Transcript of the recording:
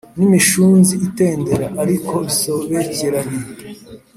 n’imishunzi itendera, ariko bisobekeranye